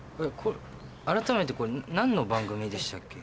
改めてこれ何の番組でしたっけ？